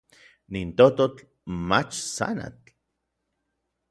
Nin tototl mach tsanatl.